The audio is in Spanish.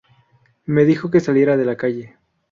Me dijo que saliera de la calle.